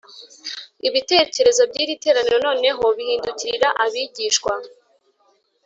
Ibitekerezo by’iri teraniro noneho bihindukirira abigishwa